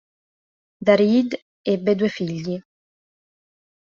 Da Reed ebbe due figli.